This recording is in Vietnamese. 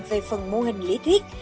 về phần mô hình lý thuyết